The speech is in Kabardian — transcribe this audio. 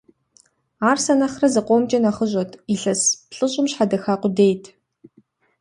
Ар сэ нэхърэ зыкъомкӀэ нэхъыщӀэт, илъэс плӀыщӀым щхьэдэха къудейт.